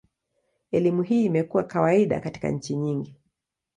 Elimu hii imekuwa kawaida katika nchi nyingi.